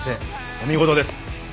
お見事です。